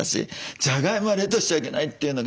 じゃがいもは冷凍しちゃいけないというのが。